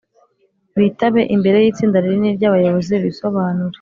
bitabe imbere y itsinda rinini ry abayobozi bisobanure